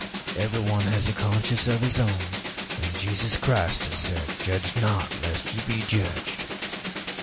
Everyone has a conscience of his own; and Jesus Christ has said, 'Judge not, lest ye be judged.'